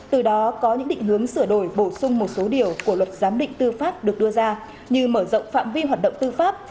từ đó có những định hướng sửa đổi bổ sung một số điều của luật giám định tư pháp được đưa ra như mở rộng phạm vi hoạt động tư pháp